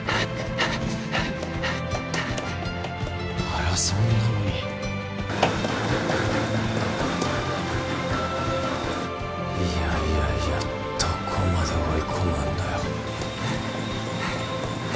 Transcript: マラソンなのにいやいやいやどこまで追い込むんだよ